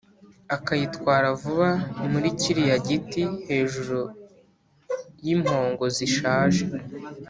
akayitwara vuba muri kiriya giti, hejuru yimpongo zishaje.